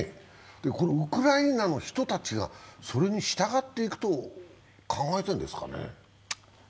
このウクライナの人たちがそれに従っていくと考えてるんですかね？